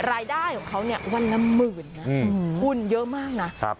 รายได้ของเขาเนี่ยวันละหมื่นนะคุณเยอะมากนะ